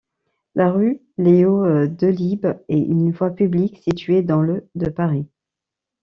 La rue Léo-Delibes est une voie publique située dans le de Paris.